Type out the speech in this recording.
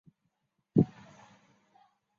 保大十四年十二月七日。